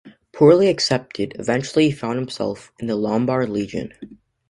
Poorly accepted, eventually he found himself in the Lombard Legion.